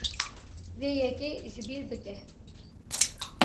Vê yekê ji bîr bike.